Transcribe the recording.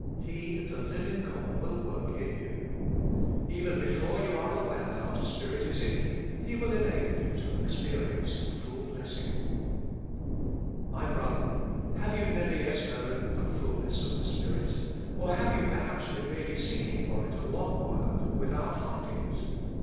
He, the living God, will work in you. Even before 1 Ps. xl. 7, 8 ; Heb. x. 7. HOW IT IS TO BE FOUND BY ALL 165 you are aware how the Spirit is in you, He will enable you to experience the full blessing. My brother, have you never yet known the fulness of the Spirit, or have you perhaps been really seeking it for a long while without finding it